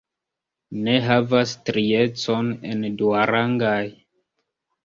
Ne havas striecon en duarangaj.